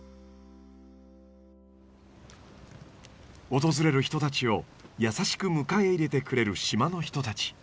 訪れる人たちを優しく迎え入れてくれる島の人たち。